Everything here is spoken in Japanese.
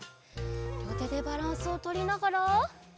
りょうてでバランスをとりながら。